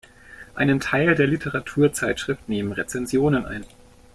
Einen Teil der Literaturzeitschrift nehmen Rezensionen ein.